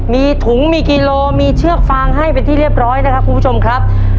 มีถุงมีกิโลมีเชือกฟางให้เป็นที่เรียบร้อยนะครับคุณผู้ชมครับ